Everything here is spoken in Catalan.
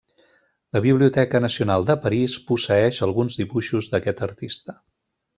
La Biblioteca Nacional de París posseeix alguns dibuixos d'aquest artista.